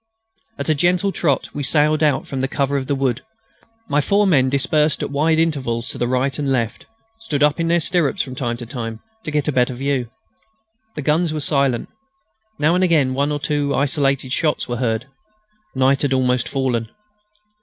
At a gentle trot we sallied out from the cover of the wood. My four men, dispersed at wide intervals to my right and left, stood up in their stirrups from time to time to get a better view. The guns were silent. Now and again one or two isolated shots were heard. Night had almost fallen.